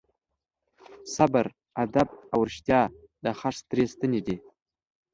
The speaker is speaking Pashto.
صبر، ادب او رښتیا د خرڅ درې ستنې دي.